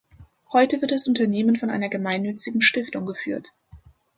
Heute wird das Unternehmen von einer gemeinnützigen Stiftung geführt.